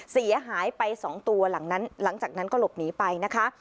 เสียหายไป๒ตัวหลังจากนั้นหลังจากนั้นก็หลบหนีไปนะคะ